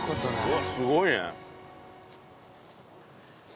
うわっすごいね。